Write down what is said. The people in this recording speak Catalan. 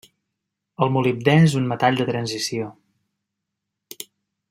El molibdè és un metall de transició.